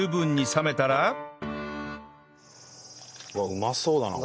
うまそうだね。